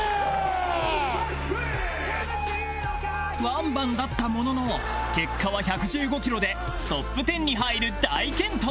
ワンバンだったものの結果は１１５キロでトップ１０に入る大健闘